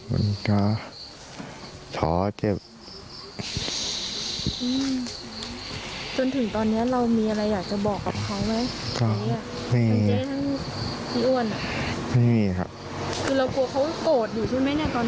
ต้องโดนทุกวันแล้วก็โดนอยู่ที่เดิม